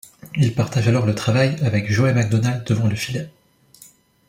Il partage alors le travail avec Joey MacDonald devant le filet.